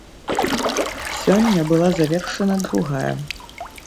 Сёння была завершана другая.